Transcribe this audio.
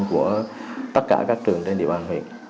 của tất cả các trường trên địa bàn huyện